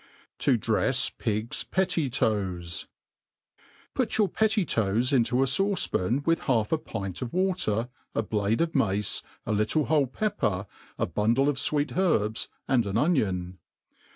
,' To drefs Pigs Pettj^Toes. PUT your petty toes into a fauce^pan with half.a pint of water, a blade of mace, a little whole pepper, a bundle of fvfcet herbs, and an onion.